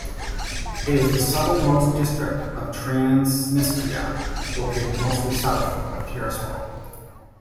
It is the southernmost district of Transnistria, located mostly south of Tiraspol.